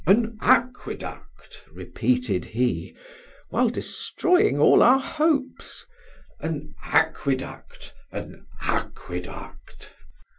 An aqueduct! repeated he, while destroying all our hopes, an aqueduct! an aqueduct!